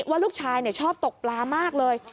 ว่าลูกชายชอบตกปลามากเลย